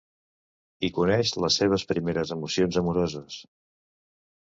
Hi coneix les seves primeres emocions amoroses.